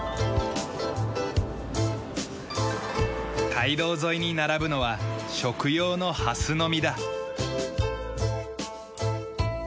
街道沿いに並ぶのは食用のハスの実だ。